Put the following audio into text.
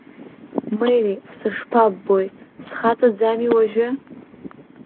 Мери, сышԥаббои, схаҵаӡами уажәы?